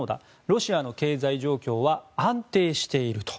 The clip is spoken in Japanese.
ロシアの経済状況は安定していると。